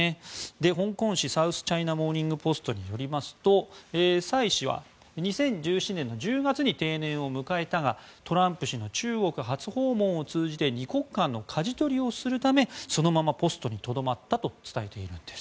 香港紙サウスチャイナ・モーニング・ポストによりますとサイ氏は２０１７年の１０月に定年を迎えたがトランプ氏の中国初訪問を通じて二国間のかじ取りをするためそのままポストにとどまったと伝えているんです。